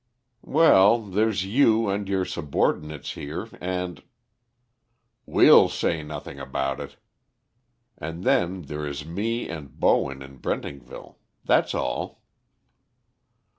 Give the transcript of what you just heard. "Well, there's you and your subordinates here and " "We'll say nothing about it." "And then there is me and Bowen in Brentingville. That's all."